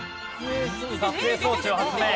撮影装置を発明。